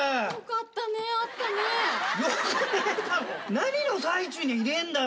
何の最中に入れんだよ